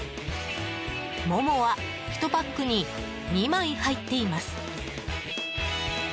ももは１パックに２枚入っています。